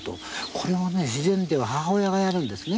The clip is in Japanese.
これを自然では母親がやるんですね。